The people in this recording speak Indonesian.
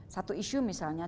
satu isu misalnya